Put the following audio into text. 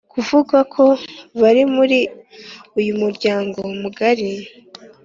bivugwa ko bari muri uyu muryango mugari.